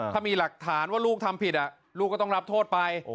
ถ้ามีหลักฐานว่าลูกทำผิดลูกก็ต้องรับโทษไป